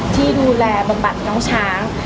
ที่ดูแลบำบัดน้องช้าง